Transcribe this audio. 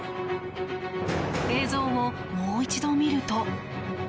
映像を、もう一度見ると。